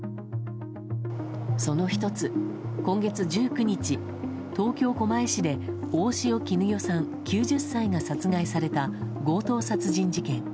その１つ、今月１９日東京・狛江市で大塩衣与さん、９０歳が殺害された強盗殺人事件。